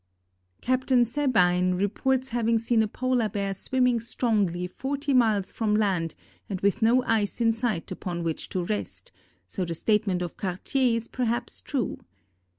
Captain Sabine reports having seen a Polar Bear swimming strongly forty miles from land and with no ice in sight upon which to rest, so the statement of Cartier is perhaps true.